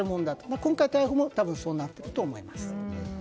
今回の逮捕も多分そうなったんだと思います。